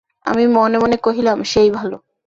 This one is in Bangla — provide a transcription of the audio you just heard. আমি মনে মনে কহিলাম, সেই ভালো।